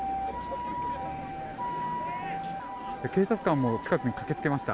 警察官も近くに駆け付けました。